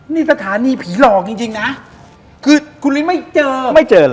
นี่สถานีผีหลอกจริงจริงนะคือคุณลินไม่เจอไม่เจอหรอ